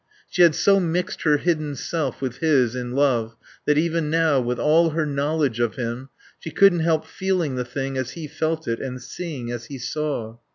She had so mixed her hidden self with his in love that even now, with all her knowledge of him, she couldn't help feeling the thing as he felt it and seeing as he saw.